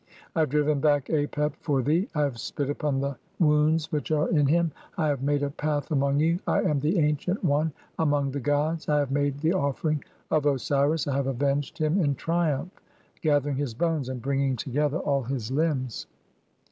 I have driven back Apep for "thee, I have spit upon the wounds [which are in him], I have "made a path among you. I am (9) the Ancient One among "the gods. I have made the offering of Osiris, I have avenged (?) "him in triumph, gathering his bones and bringing together "all his limbs."